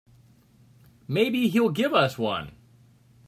Maybe he'll give us one.